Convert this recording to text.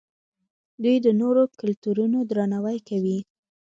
دوی د نورو کلتورونو درناوی کوي.